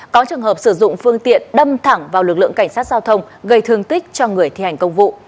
có trường hợp sử dụng phương tiện đâm thẳng vào lực lượng cảnh sát giao thông gây thương tích cho người thi hành công vụ